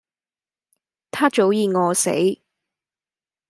她早己餓死